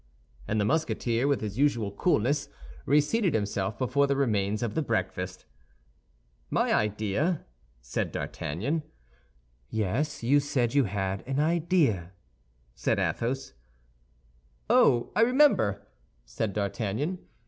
And the Musketeer, with his usual coolness, reseated himself before the remains of the breakfast. "My idea?" said D'Artagnan. "Yes; you said you had an idea," said Athos. "Oh, I remember," said D'Artagnan.